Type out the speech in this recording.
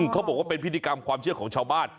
เขาบอกว่าเป็นพิธีกรรมความเชื่อของชาวบ้าน